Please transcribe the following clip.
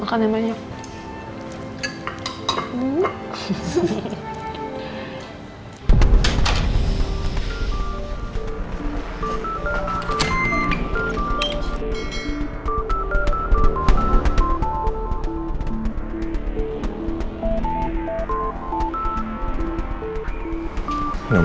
yang lebih ambient